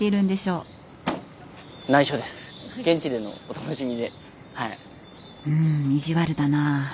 うん意地悪だなあ。